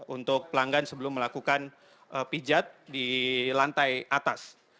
untuk pelanggan sebelum melakukan pijat di lantai atas